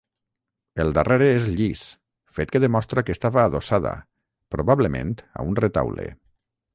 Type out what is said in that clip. El darrere és llis, fet que demostra que estava adossada, probablement a un retaule.